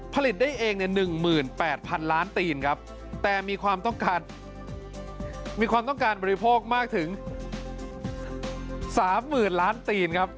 ผลิตได้เองใน๑๘๐๐๐ล้านตีนครับแต่มีความต้องการมีความต้องการบริโภคมากถึง๓๐๐๐ล้านตีนครับ